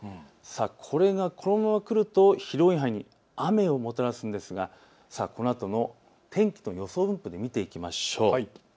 これがこのまま来ると広い範囲に雨をもたらすんですが、このあとの天気の予想を見ていきましょう。